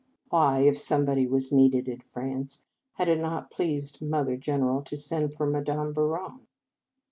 Why, if somebody were needed in France, had it not pleased Mother General to send for Madame Bouron